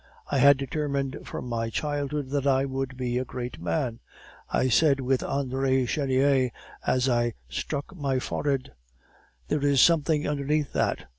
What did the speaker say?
I had determined from my childhood that I would be a great man; I said with Andre Chenier, as I struck my forehead, 'There is something underneath that!